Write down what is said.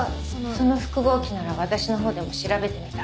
その複合機なら私の方でも調べてみた。